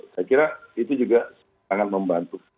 saya kira itu juga sangat membantu